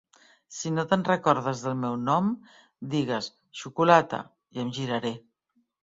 Si no te'n recordes del meu nom, digues "xocolata" i em giraré.